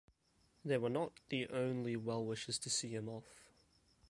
They were not the only well-wishers to see him off.